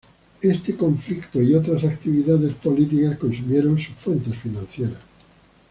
Este conflicto y otras actividades políticas consumieron sus fuentes financieras.